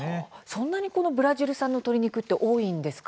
そんなにこのブラジル産の鶏肉って多いんですか。